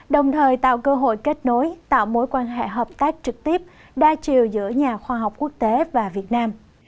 đồng thời tạo cơ hội kết nối tạo mối quan hệ hợp tác trực tiếp đa chiều giữa nhà khoa học quốc tế và việt nam